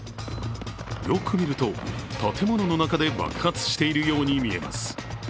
よく見ると、建物の中で爆発しているように見えます。